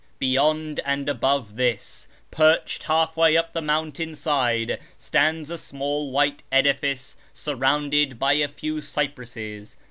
Beyond and above this, perched half way up the mountain side, stands a small white edifice surrounded by a few cypresses.